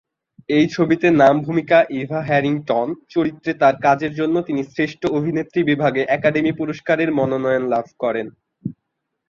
এই ছবিতে নাম ভূমিকা ইভা হ্যারিংটন চরিত্রে তার কাজের জন্য তিনি শ্রেষ্ঠ অভিনেত্রী বিভাগে একাডেমি পুরস্কারের মনোনয়ন লাভ করেন।